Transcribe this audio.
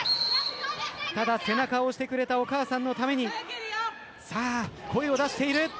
ただ、背中を押してくれたお母さんのために声を出している。